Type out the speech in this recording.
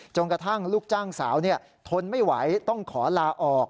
กระทั่งลูกจ้างสาวทนไม่ไหวต้องขอลาออก